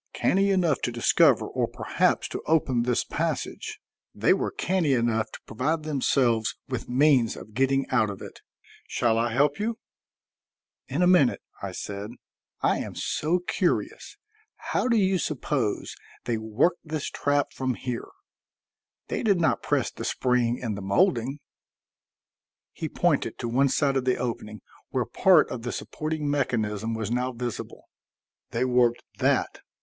"Canny enough to discover or perhaps to open this passage, they were canny enough to provide themselves with means of getting out of it. Shall I help you?" "In a minute," I said. "I am so curious. How do you suppose they worked this trap from here? They did not press the spring in the molding." He pointed to one side of the opening, where part of the supporting mechanism was now visible. "They worked that.